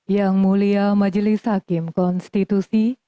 yang mulia majelis hakim konstitusi